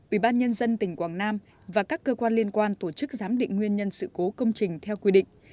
ủy ban nhân dân tỉnh quảng nam và các cơ quan liên quan tổ chức giám định nguyên nhân sự cố công trình theo quy định